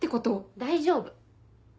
大丈夫。